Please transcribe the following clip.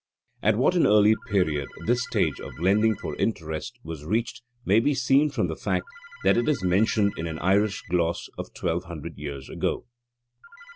At what an early period this stage of lending for interest was reached may be seen from the fact that it is mentioned in an Irish gloss of twelve hundred years ago.